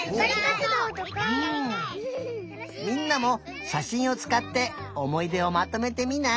みんなもしゃしんをつかっておもいでをまとめてみない？